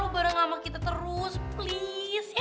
lo bareng mama kita terus please ya